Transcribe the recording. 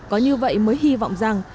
có như vậy mới hy vọng rằng